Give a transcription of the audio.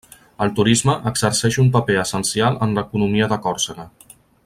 El turisme exerceix un paper essencial en l'economia de Còrsega.